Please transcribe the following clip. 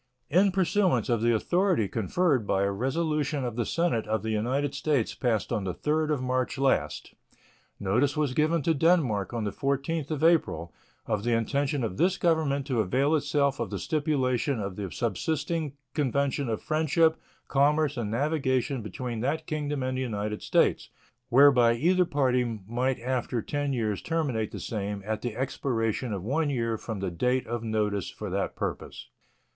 In pursuance of the authority conferred by a resolution of the Senate of the United States passed on the 3d of March last, notice was given to Denmark on the 14th day of April of the intention of this Government to avail itself of the stipulation of the subsisting convention of friendship, commerce, and navigation between that Kingdom and the United States whereby either party might after ten years terminate the same at the expiration of one year from the date of notice for that purpose.